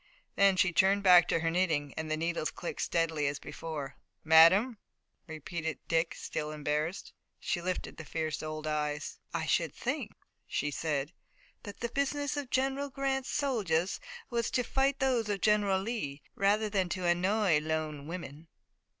Then she turned back to her knitting, and the needles clicked steadily as before. "Madame!" repeated Dick, still embarrassed. She lifted the fierce old eyes. "I should think," she said, "that the business of General Grant's soldiers was to fight those of General Lee rather than to annoy lone women."